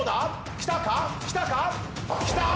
きたか⁉きたか⁉きた！